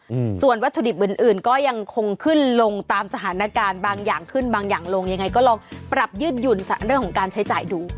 อืมส่วนวัตถุดิบอื่นอื่นก็ยังคงขึ้นลงตามสถานการณ์บางอย่างขึ้นบางอย่างลงยังไงก็ลองปรับยืดหยุ่นเรื่องของการใช้จ่ายดู